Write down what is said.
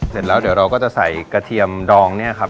เสร็จแล้วเดี๋ยวเราก็จะใส่กระเทียมดองเนี่ยครับ